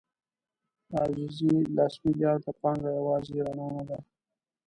د عزیزي لس میلیارده پانګه یوازې رڼا نه ده.